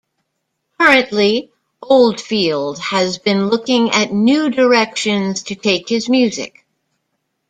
Currently Oldfield has been looking at new directions to take his music.